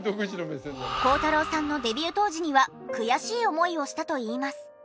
孝太郎さんのデビュー当時には悔しい思いをしたといいます。